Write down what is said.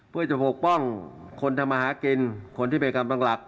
เพื่อจะปกป้องคนทำมาหากินคนที่เป็นกำลังหลัก